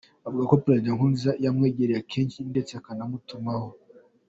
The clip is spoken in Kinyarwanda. Avuga ko Perezida Nkurunziza yamwegereye kenshi ndetse akamutumaho Gen.